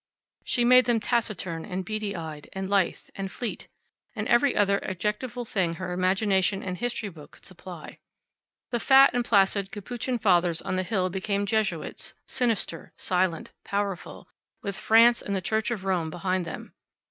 She made them taciturn, and beady eyed, and lithe, and fleet, and every other adjectival thing her imagination and history book could supply. The fat and placid Capuchin Fathers on the hill became Jesuits, sinister, silent, powerful, with France and the Church of Rome behind them.